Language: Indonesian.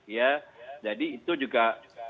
ya jadi itu juga